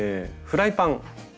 フライパン！